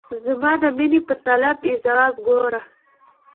زما د میني په طلب یې ځواب ګوره !